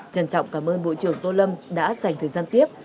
trân trọng cảm ơn bộ trưởng tô lâm đã dành thời gian tiếp